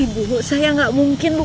bahkan rakit tuh